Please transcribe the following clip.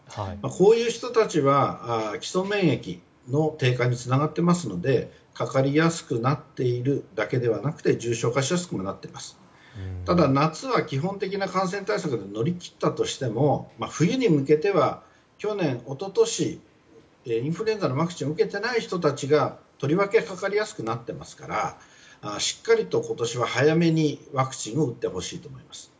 こういう人たちは基礎免疫の低下につながっていますのでかかりやすくなっているだけではなく重症化しやすくもなっていて夏は基本的な感染対策で乗り切ったとしても冬に向けては去年、一昨年インフルエンザのワクチンを受けていない人たちがとりわけかかりやすくなっていますからしっかり今年は早めにワクチンを打ってほしいと思います。